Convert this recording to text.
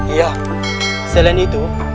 iya selain itu